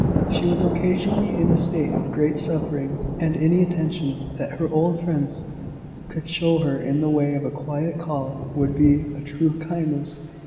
She was occasionally in a state of great suffering, and any attention that her old friends could show her in the way of a quiet call would be a true kindness.